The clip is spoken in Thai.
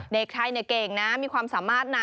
เด็กไทยเก่งนะมีความสามารถนะ